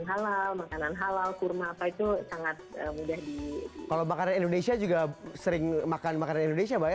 kalau makanan indonesia juga sering makan makanan indonesia mbak ya